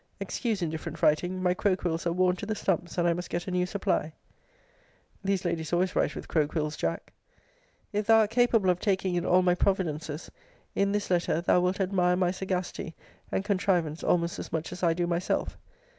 [Excuse indifferent writing; my crow quills are worn to the stumps, and I must get a new supply.] These ladies always write with crow quills, Jack. If thou art capable of taking in all my providences, in this letter, thou wilt admire my sagacity and contrivance almost as much as I do myself.